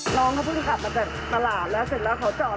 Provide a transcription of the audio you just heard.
สวัสดีครับ